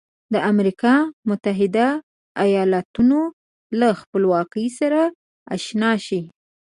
د امریکا متحده ایالتونو له خپلواکۍ سره آشنا شئ.